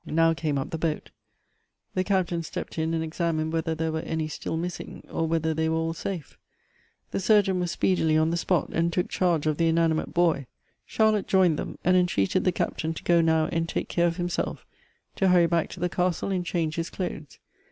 Now came up the boat. The Captain stepped in and exardined whether there were any still missing, or whether they were all safe. The surgeon was speedily on the spot, and took charge of the inanimate boj'. Char lotte joined them, and entreated the Captain to go now and take care of himself, to hurry back to the castle and change his clothes.